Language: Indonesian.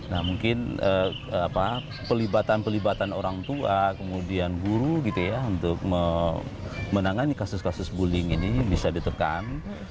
nah mungkin pelibatan pelibatan orang tua kemudian guru gitu ya untuk menangani kasus kasus bullying ini bisa ditekan